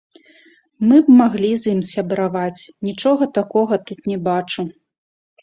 Мы б маглі з ім сябраваць, нічога такога тут не бачу.